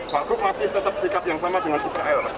pak grup masih tetap sikap yang sama dengan israel